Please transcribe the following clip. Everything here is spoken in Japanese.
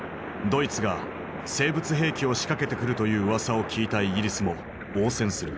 ドイツが生物兵器を仕掛けてくるといううわさを聞いたイギリスも応戦する。